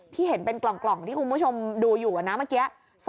เห็นเป็นกล่องที่คุณผู้ชมดูอยู่นะเมื่อกี้